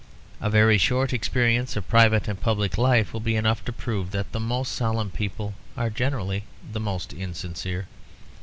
A very short experience of private and public life will be enough to prove that the most solemn people are generally the most insincere.